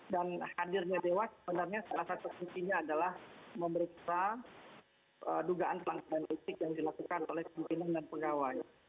dan hadirnya dewas sebenarnya salah satu sisi adalah memberikan dugaan pelanggaran etik yang dilakukan oleh pimpinan dan pegawai